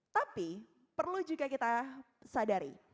tapi perlu juga kita sadari